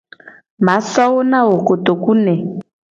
Ma so wo na wo kotoku ne.